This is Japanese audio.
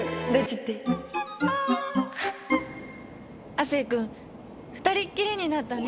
亜生くん２人っきりになったね。